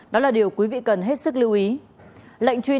đó là điều quý vị cần hết sức lưu ý